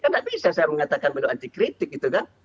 tidak bisa saya mengatakan beliau anti kritik gitu kan